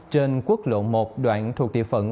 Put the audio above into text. trên quốc lộ một đoạn thuộc địa phận